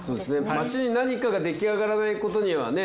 街に何かが出来上がらないことにはね